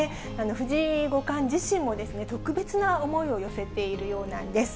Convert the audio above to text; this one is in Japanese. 藤井五冠自身もですね、特別な思いを寄せているようなんです。